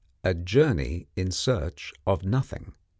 A JOURNEY IN SEARCH OF NOTHING.